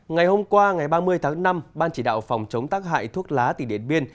ngày hôm qua ngày ba mươi tháng năm ban chỉ đạo phòng chống tác hại thuốc lá tỉnh điện biên